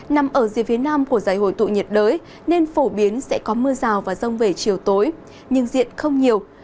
nằm ở dưới phía nam của giải hồi tụ nhiệt đới nên phổ biến sẽ có mưa rào và rông về chiều tối nhưng diện không nhiều